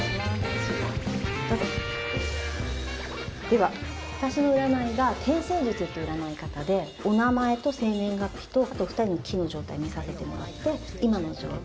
では私の占いが天星術っていう占い方でお名前と生年月日とあと２人の気の状態見させてもらって今の状態と過去の流れ。